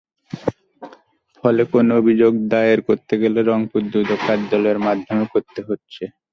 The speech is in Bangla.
ফলে কোনো অভিযোগ দায়ের করতে গেলে রংপুর দুদক কার্যালয়ের মাধ্যমে করতে হচ্ছে।